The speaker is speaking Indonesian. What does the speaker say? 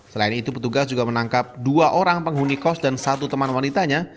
selain itu petugas juga menangkap dua orang penghuni kos dan satu teman wanitanya